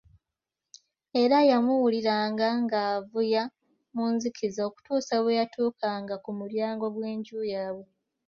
Era yamuwuliranga ng'avuya mu nzikiza, okutuusa bwe yatuukanga ku mulyango gw'enju yaabwe.